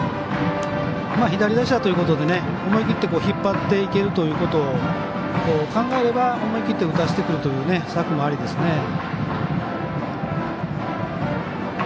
左打者ということで思い切って引っ張っていけるということを考えれば思い切って打たせてくるという策もありですね。